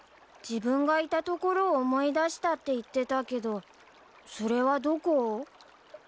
自分がいたところを思い出したって言ってたけどそれはどこ？